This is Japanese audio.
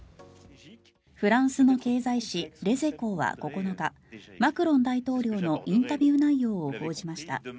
フランスの経済紙レゼコーは９日マクロン大統領のインタビュー内容を報じました。